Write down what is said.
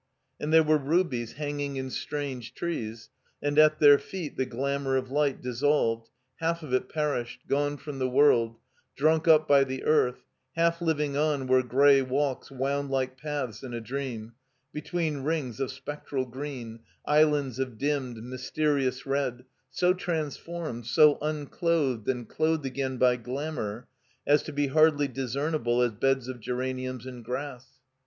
And there were rubies hanging in strange trees, and at their feet the glamour of light dissolved, half of it perished, gone from the world, drunk up by the earth, half living on where gray walks wound like paths in a dream, between rings of spectral green, islands of dimmed, mysterious red, so transformed, so unclothed and clothed again by glamour, as to be hardly discernible as beds of geraniums in grass.